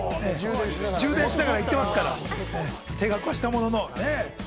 充電しながら行ってますから、停学はしたものの。